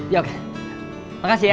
ya oke makasih ya